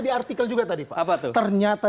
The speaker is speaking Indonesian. di artikel juga tadi pak ternyata